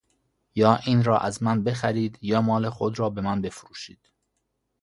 یا اینرا از من بخرید یا مال خودرا بمن فروشید